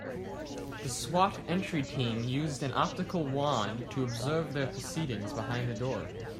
The S.W.A.T. entry team used an optical wand to observe the proceedings behind the door.